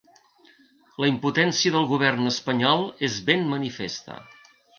La impotència del govern espanyol és ben manifesta.